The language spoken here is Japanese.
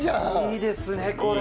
いいですねこれ。